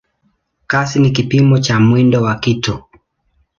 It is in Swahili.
Kasi ni kipimo cha mwendo wa kitu.